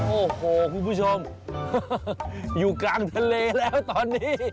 โอ้โหคุณผู้ชมอยู่กลางทะเลแล้วตอนนี้